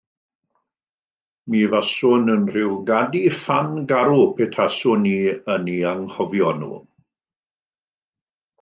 Mi faswn yn rhyw gadi ffan garw petaswn i yn eu hanghofio nhw.